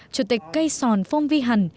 chủ tịch cây sòn phong vi hẳn